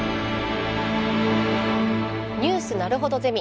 「ニュースなるほどゼミ」。